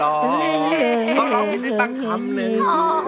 เข้ารอไปได้ตั้งคำหนึ่ง